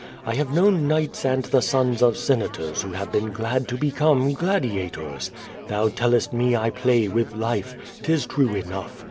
I have known knights and the sons of senators who have been glad to become gladiators. Thou tellest me I play with life. *Tis true enough.